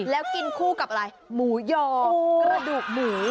แล้วกินคู่กับอะไรหมูยอกระดูกหมู